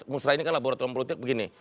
musrah ini kan laboratorium politik begini